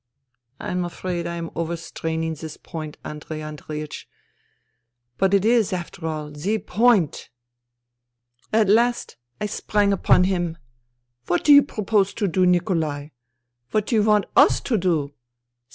I am afraid I am overstraining this point, Andrei Andreiech. But it is, after all, the point. " At last I sprang upon him. ' What do you propose to do, Nikolai ? What do you want i^y to do